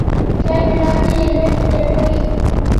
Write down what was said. چای د ناستې لذت زیاتوي